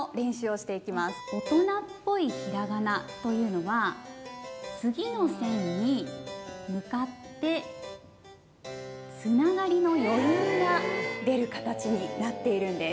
大人っぽいひらがなというのは次の線に向かってつながりの余韻が出る形になっているんです。